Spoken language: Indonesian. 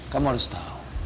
kamu harus tahu